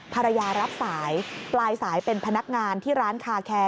รับสายปลายสายเป็นพนักงานที่ร้านคาแคร์